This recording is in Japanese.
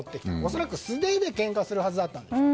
恐らく素手でけんかするはずだったんですよ。